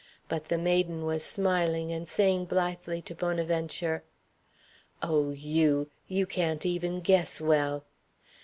But the maiden was smiling and saying blithely to Bonaventure: "Oh, you you can't even guess well."